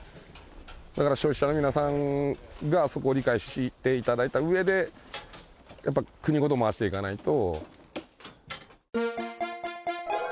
だから消費者の皆さんがそこを理解していただいた上でやっぱり国ごと回していかないと。